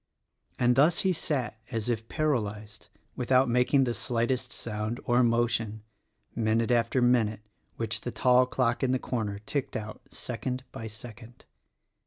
And thus he sat as if paralyzed — without making the slightest sound or motion — minute after minute, which the tall clock in the corner ticked out second by second.